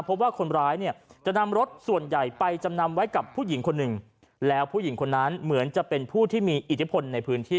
เพราะว่าคนร้ายเนี่ยจะนำรถส่วนใหญ่ไปจำนำไว้กับผู้หญิงคนหนึ่งแล้วผู้หญิงคนนั้นเหมือนจะเป็นผู้ที่มีอิทธิพลในพื้นที่